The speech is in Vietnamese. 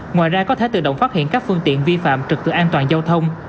ngoài ra có thể tự động phát hiện các phương tiện vi phạm trực tự an toàn giao thông